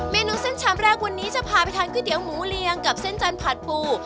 เมนูเส้นชามแรกวันนี้จะพาไปทานก๋วยเตี๋ยวหมูเรียงกับเส้นจันทร์ผัดปู